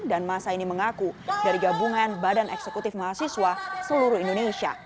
dan masa ini mengaku dari gabungan badan eksekutif mahasiswa seluruh indonesia